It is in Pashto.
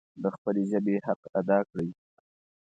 د خپلې ژبي حق ادا کړئ.